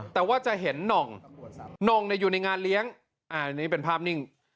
แต่ว่าจะเห็นหน่องน่องอยู่ในงานเลี้ยงอันนี้เป็นภาพนิ่ง